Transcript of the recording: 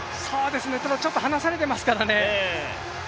ただ、ちょっと離されてますからね。